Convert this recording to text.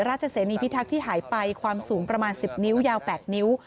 เสนีพิทักษ์ที่หายไปความสูงประมาณ๑๐นิ้วยาว๘นิ้ว